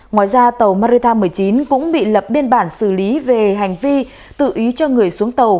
ngoài ra tàu maryar một mươi chín cũng bị lập biên bản xử lý về hành vi tự ý cho người xuống tàu